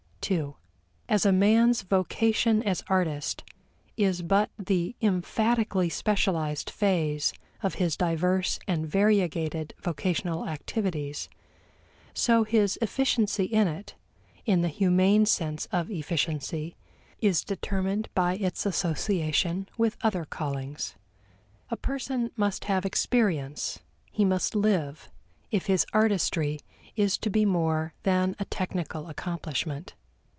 (ii) As a man's vocation as artist is but the emphatically specialized phase of his diverse and variegated vocational activities, so his efficiency in it, in the humane sense of efficiency, is determined by its association with other callings. A person must have experience, he must live, if his artistry is to be more than a technical accomplishment.